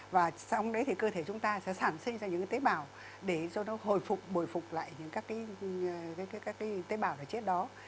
và xong đấy thì cơ thể chúng ta sẽ sản sinh ra những tế bào để cho nó hồi phục bồi phục lại những các tế bào là chết đó